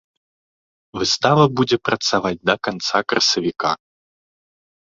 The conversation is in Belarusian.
Выстава будзе працаваць да канца красавіка.